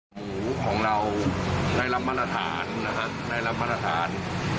หมูของเราได้รับมาตรฐานนะครับได้รับมาตรฐาน